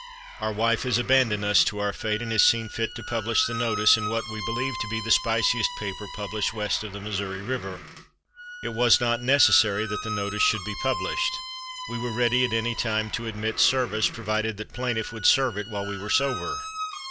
Our wife has abandoned us to our fate, and has seen fit to publish the notice in what we believe to be the spiciest paper published west of the Missouri River. It was not necessary that the notice should be published. We were ready at any time to admit service, provided that plaintiff would serve it while we were sober.